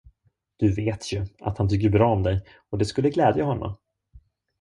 Du vet ju, att han tycker bra om dig, och det skulle glädja honom.